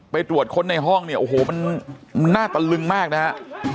ตรวจค้นในห้องเนี่ยโอ้โหมันน่าตะลึงมากนะฮะ